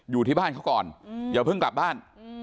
อยู่ที่บ้านเขาก่อนอย่าเพิ่งกลับบ้าน